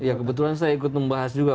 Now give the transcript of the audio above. ya kebetulan saya ikut membahas juga